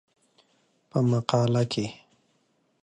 په مقاله کې